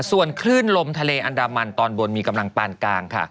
ส่วนคลื่นลมทะเลอันดามันตอนบนมีกำลังปานกลางค่ะ